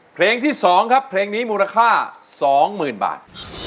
เพลงที่๒ครับเพลงนี้มูลค่า๒๐๐๐บาท